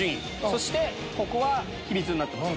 そしてここは秘密になってます。